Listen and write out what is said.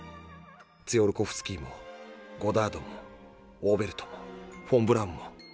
ツィオルコフスキーもゴダードもオーベルトもフォン・ブラウンも。